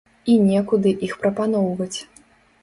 І некуды іх прапаноўваць.